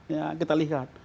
ya kita lihat